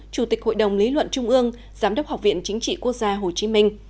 chủ tịch hội đồng lý luận trung ương giám đốc học viện chính trị quốc gia hồ chí minh